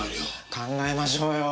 考えましょうよ。